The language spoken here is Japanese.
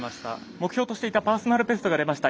目標としていたパーソナルベストが出ました。